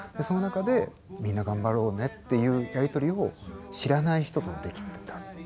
その中でみんな頑張ろうねっていうやり取りを知らない人とできた。